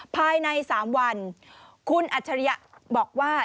ภายใน๓วันคุณอัจฉริยะบอกว่า